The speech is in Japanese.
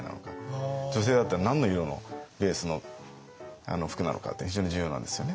女性だったら何の色のベースの服なのかって非常に重要なんですよね。